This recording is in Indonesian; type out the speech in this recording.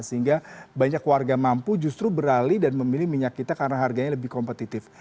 sehingga banyak warga mampu justru beralih dan memilih minyak kita karena harganya lebih kompetitif